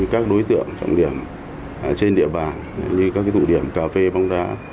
các đối tượng trọng điểm trên địa bàn như các tụ điểm cà phê bóng đá